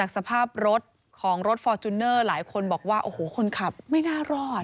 สภาพรถของรถฟอร์จูเนอร์หลายคนบอกว่าโอ้โหคนขับไม่น่ารอด